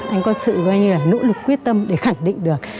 anh có sự nỗ lực quyết tâm để khẳng định được